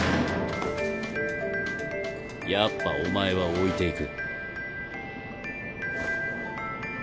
やっぱお前は置いていく。